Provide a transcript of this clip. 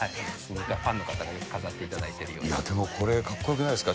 ファンの方がよく飾っていただいているようです。